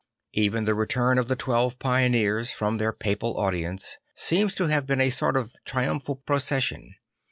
Even the return of the twelve pioneers from their papal audience seems to have been a sort of triumphal procession.